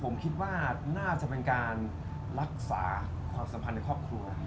มันจะเป็นการรักษาความสัมพันธ์ในครอบครัว